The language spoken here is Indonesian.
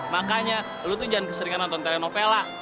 makanya lo tuh jangan keseringan nonton telenovela